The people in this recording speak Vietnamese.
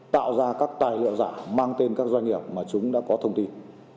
tạo ra các tài liệu giả mang tên các doanh nghiệp mà chúng đã có thông tin